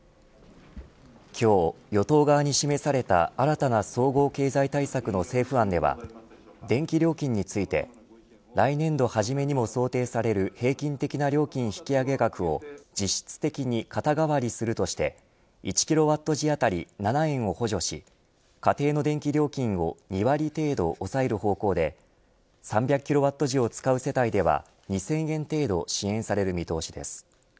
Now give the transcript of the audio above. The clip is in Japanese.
今日与党側に示された新たな総合経済対策の政府案では電気料金について来年度初めにも想定される平均的な料金引き上げ額を実質的に肩代わりするとして１キロワット時当たり７円を補助し家庭の電気料金を２割程度抑える方向で３００キロワット時を使う世帯では２０００円程度支援される見通しです。